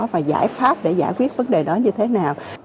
và giải pháp để giải quyết vấn đề đó như thế nào